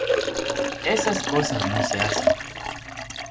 Esas cosas no se hacen.